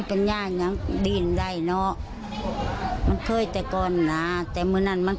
ผู้ชม